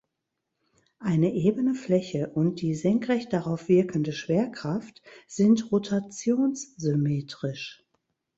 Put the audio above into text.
Eine ebene Fläche und die senkrecht darauf wirkende Schwerkraft sind rotationssymmetrisch.